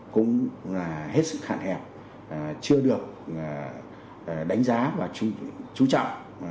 cũng hết sự khạn hẹp chưa được đánh giá và chú trọng